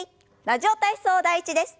「ラジオ体操第１」です。